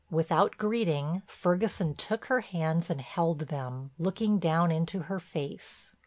Without greeting Ferguson took her hands and held them, looking down into her face.